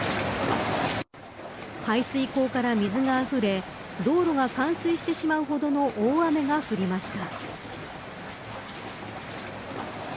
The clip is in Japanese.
排水溝から水があふれ道路が冠水してしまうほどの大雨が降りました。